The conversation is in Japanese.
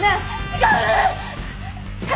違う！